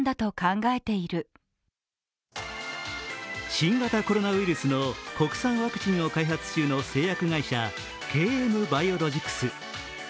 新型コロナウイルスの国産ワクチンを開発中のＫＭバイオロジクス。